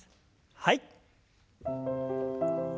はい。